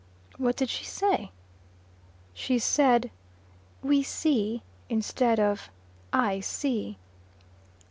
"What did she say?" "She said `we see' instead of 'I see.